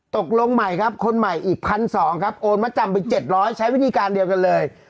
ตกลงใหม่ครับคนใหม่อีก๑๒๐๐ครับโอนมาจำไป๗๐๐ใช้วิธีการเดียวกันเลย